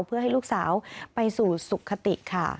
เพื่อให้ลูกสาวไปสู่สุขติค่ะ